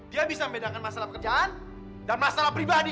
dia bisa membedakan masalah pekerjaan dan masalah pribadi